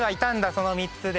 その３つで。